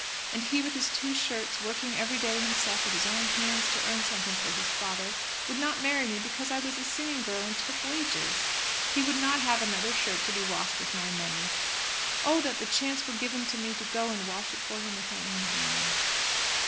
And he with his two shirts, working every day himself with his own hands to earn something for his father, would not marry me because I was a singing girl and took wages. He would not have another shirt to be washed with my money. Oh, that the chance were given to me to go and wash it for him with my own hands!"